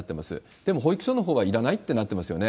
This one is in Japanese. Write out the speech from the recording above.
でも保育所のほうはいらないってなってますよね。